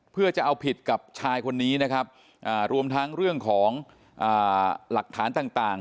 เพื่อจะเอาผิดกับชายคนนี้นะครับรวมทั้งเรื่องของหลักฐานต่าง